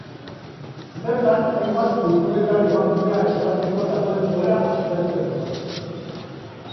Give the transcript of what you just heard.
Bertan hainbat kulturetan emakumea estaltzeko dagoen joera aztertzen du.